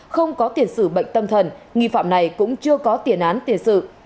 không có tiền xử bệnh tâm thần nghi phạm này cũng chưa có tiền án tiền xử